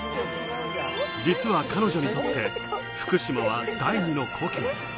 実は彼女にとって福島は第二の故郷。